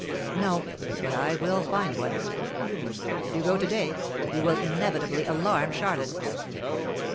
"No; but I will find one." "If you go today, you will inevitably alarm Charlotte."